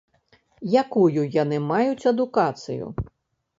Якую яны маюць адукацыю?